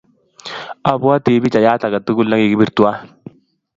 Apwoti pichaiyat ake tukul ne kikipir twai.